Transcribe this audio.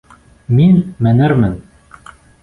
Мин менермен!